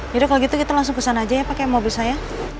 yaudah kalau gitu kita langsung ke sana aja ya pakai mobil saya